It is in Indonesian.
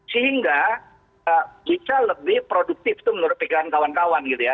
sehingga bisa lebih produktif itu menurut pikiran kawan kawan gitu ya